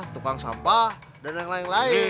tukang sampah dan yang lain lain